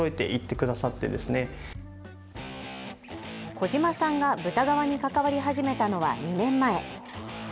児嶋さんが豚革に関わり始めたのは２年前。